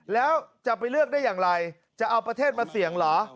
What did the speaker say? แล้วจะไปเลือกได้อย่างไรจะเอาประเทศมาเสี่ยงเหรอ